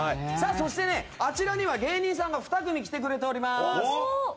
そして、あちらには芸人さんが２組来てくれております。